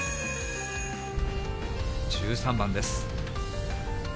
１３番です。